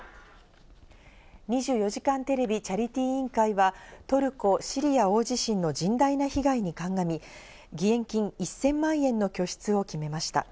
２４時間テレビチャリティー委員会はトルコ・シリア大地震の甚大な被害にかんがみ、義援金１０００万円の拠出を決めました。